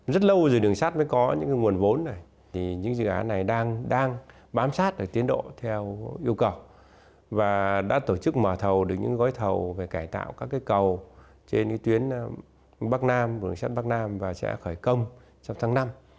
các dự án này đang bám sát tiến độ theo yêu cầu và đã tổ chức mở thầu được những gói thầu về cải tạo các cầu trên tuyến đường sắt bắc nam và sẽ khởi công trong tháng năm